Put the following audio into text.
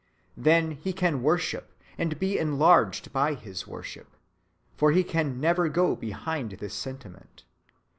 Then he can worship, and be enlarged by his worship; for he can never go behind this sentiment.